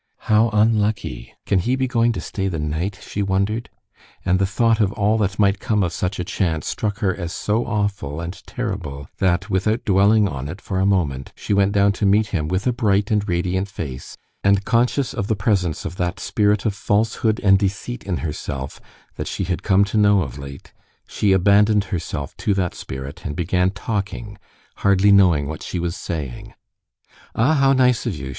"How unlucky! Can he be going to stay the night?" she wondered, and the thought of all that might come of such a chance struck her as so awful and terrible that, without dwelling on it for a moment, she went down to meet him with a bright and radiant face; and conscious of the presence of that spirit of falsehood and deceit in herself that she had come to know of late, she abandoned herself to that spirit and began talking, hardly knowing what she was saying. "Ah, how nice of you!"